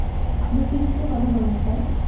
যুক্তিযুক্ত কথা বলেন, স্যার।